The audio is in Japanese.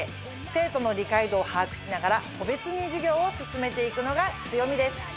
生徒の理解度を把握しながら個別に授業を進めて行くのが強みです。